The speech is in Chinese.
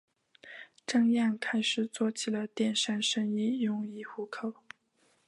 张漾开始做起了电商生意用以糊口。